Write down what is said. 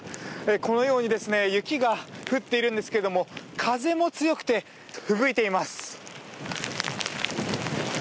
このように雪が降っているんですが風も強くて、ふぶいています。